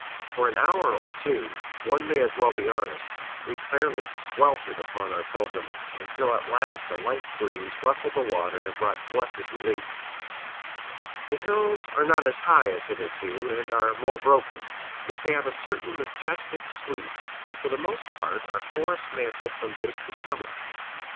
For an hour or two one may as well be honest we fairly sweltered upon our pilgrimage, until at last a light breeze ruffled the water and brought blessed relief. The hills are not as high as hitherto, and are more broken. Yet they have a certain majestic sweep, and for the most part are forest mantled from base to summit.